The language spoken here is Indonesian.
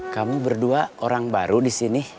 kamu berdua orang baru di sini